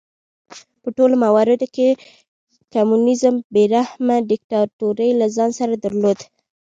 په ټولو مواردو کې کمونېزم بې رحمه دیکتاتورۍ له ځان سره درلود.